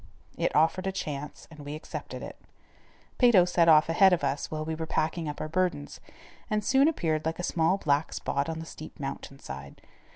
It offered a chance and we accepted it. Peyto set off ahead of us while we were packing up our burdens, and soon appeared like a small black spot on the steep mountain side.